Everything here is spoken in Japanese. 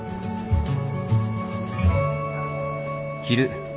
昼。